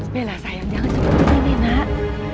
bela sayang jangan seperti ini nak